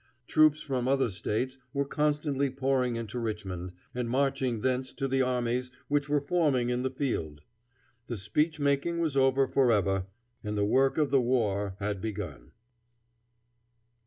Troops from other States were constantly pouring into Richmond, and marching thence to the armies which were forming in the field. The speech making was over forever, and the work of the war had begun.